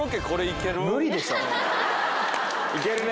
・いけるね。